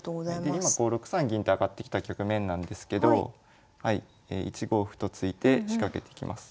で今こう６三銀と上がってきた局面なんですけど１五歩と突いて仕掛けていきます。